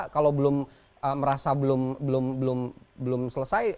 kalau merasa belum selesai